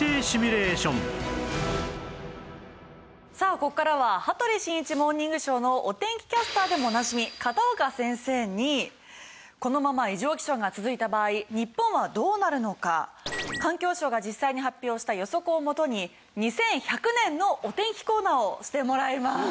ここからは『羽鳥慎一モーニングショー』のお天気キャスターでもおなじみ片岡先生にこのまま異常気象が続いた場合日本はどうなるのか環境省が実際に発表した予測をもとに２１００年のお天気コーナーをしてもらいます。